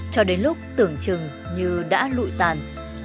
cho đến lúc tưởng chừng như đã lụi tàn